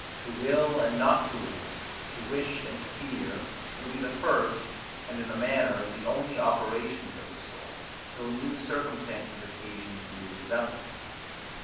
To will and not to will, to wish and to fear, would be the first, and in a manner, the only operations of his soul, till new circumstances occasioned new developments.